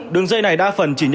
đường dây này đa phần chỉ nhận ra